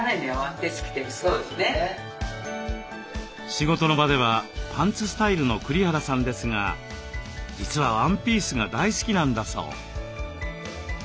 仕事の場ではパンツスタイルの栗原さんですが実はワンピースが大好きなんだそう。